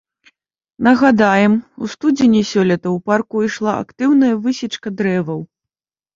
Нагадаем, у студзені сёлета ў парку ішла актыўная высечка дрэваў.